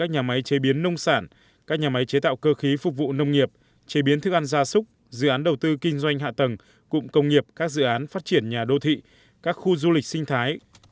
các nhà máy chế biến nông sản các nhà máy chế tạo cơ khí phục vụ nông nghiệp chế biến thức ăn gia súc dự án đầu tư kinh doanh hạ tầng cụm công nghiệp các dự án phát triển nhà đô thị các khu du lịch sinh thái